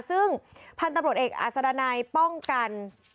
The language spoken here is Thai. ซึ่งพันธุ์ตำรวจเอกอาศดันัยป้องกัน